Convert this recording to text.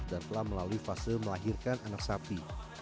dan telah melalui fase melahirkan anak sapi